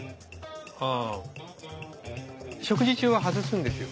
あぁ食事中は外すんですよ。